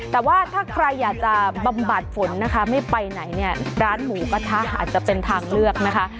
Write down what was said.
แต่ว่าถ้าใครอยากจะบำบัดฝนนะคะไม่ไปไหนเนี่ยร้านหมูกระทะอาจจะเป็นทางเลือกนะคะ